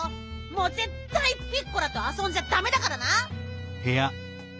もうぜったいピッコラとあそんじゃダメだからな！